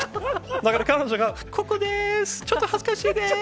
だから彼女が、ここです、ちょっと恥ずかしいです。